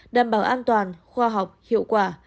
đảm bảo an toàn khoa học hiệu quả